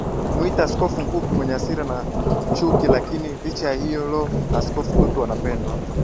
kumuita Askofu mfupi mwenye hasira na chukiLakini licha ya hilo Askofu Tutu anapendwa